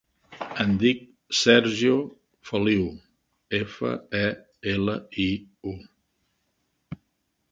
Em dic Sergio Feliu: efa, e, ela, i, u.